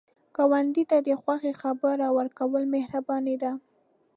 ګاونډي ته د خوښۍ خبر ورکول مهرباني ده